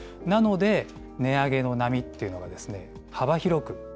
なので、値上げの波というのが幅広く